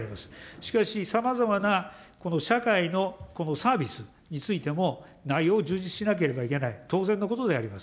しかしさまざまな社会のこのサービスについても、内容を充実しなければいけない、当然のことであります。